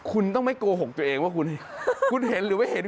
คุณต้องไม่โกหกตัวเองว่าคุณคุณเห็นหรือไม่เห็น